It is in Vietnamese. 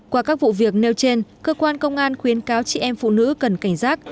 qua các vụ việc nêu trên cơ quan công an khuyến cáo chị em phụ nữ cần cảnh giác